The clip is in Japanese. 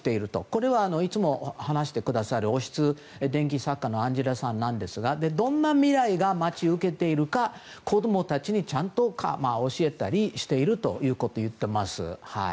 これはいつも話してくださる王室伝記作家のアンジェラさんなんですがどんな未来が待ち受けているか子どもたちにちゃんと教えたりしているということを言っています。